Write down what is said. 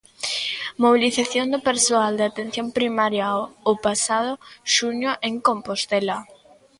Mobilización do persoal de Atención Primaria o pasado xuño en Compostela.